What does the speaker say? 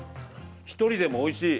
１人でもおいしい。